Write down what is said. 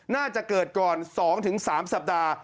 น่าจะเกิดก่อน๒๓สัปดาห์